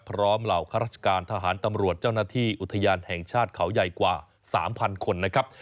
เหล่าข้าราชการทหารตำรวจเจ้าหน้าที่อุทยานแห่งชาติเขาใหญ่กว่า๓๐๐คนนะครับ